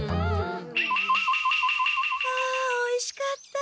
あおいしかった！